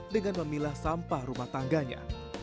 dengan memilah sampah rumah tangganya